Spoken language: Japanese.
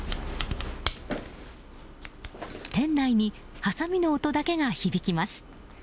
店内にはさみの音だけが響きます。